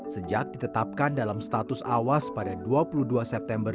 sejak ditetapkan dalam status awas pada dua puluh dua september dua ribu tujuh belas